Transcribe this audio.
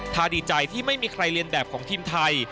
ถ้าดีใจที่ไม่มีใครเรียนแบบของทีมไทย